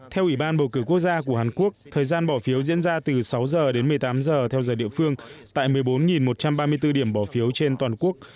theo ủy ban bầu cử quốc gia của hàn quốc thời gian bỏ phiếu diễn ra từ sáu giờ đến một mươi tám giờ theo giờ địa phương tại một mươi bốn một trăm ba mươi bốn điểm bỏ phiếu trên toàn quốc